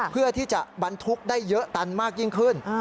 เพื่อที่จะบรรทุกได้เยอะตันมากยิ่งขึ้น